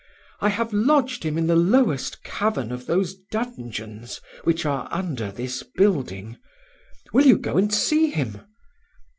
I have lodged him in the lowest cavern of those dungeons which are under this building will you go and see him?"